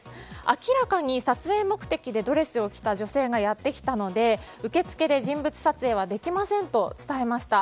明らかに撮影目的でドレスを着た女性がやってきたので受付で人物撮影はできませんと伝えました。